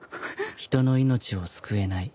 人の命を救えない。